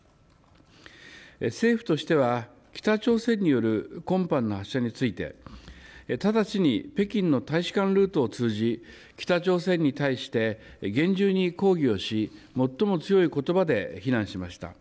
政府としては、北朝鮮による今般の発射について、直ちに北京の大使館ルートを通じ、北朝鮮に対して厳重に抗議をし、最も強いことばで非難しました。